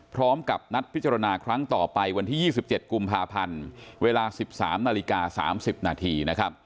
พร้อมกับนัดพิจารณาครั้งต่อไปวันที่๒๗กุมภาพันธ์เวลา๑๓นาฬิกา๓๐นาที